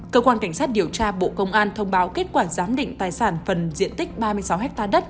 cơ quan cảnh sát điều tra bộ công an thông báo kết quả giám định tài sản phần diện tích ba mươi sáu ha đất